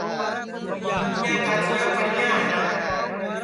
بھینٚڈؔیا کاچیاں پڑیاں ہے